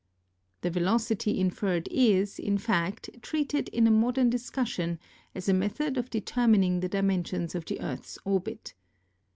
The velocity inferred is, in fact, treated in a modern discussion as a method of determining the dimensions of the Earth's orbit.